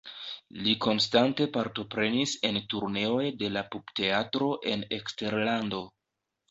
Li konstante partoprenis en turneoj de la Pupteatro en eksterlando.